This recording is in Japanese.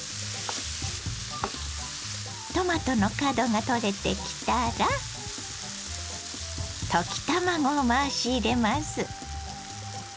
トマトの角が取れてきたら溶き卵を回し入れます。